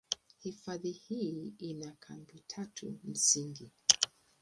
Hifadhi hii ina kambi tatu msingi.